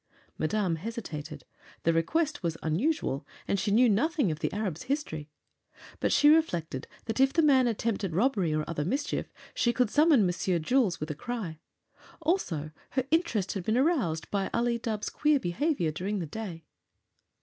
Madame hesitated. The request was unusual, and she knew nothing of the Arab's history. But she reflected that if the man attempted robbery or other mischief she could summon Monsieur Jules with a cry. Also, her interest had been aroused by Ali Dubh's queer behavior during the day.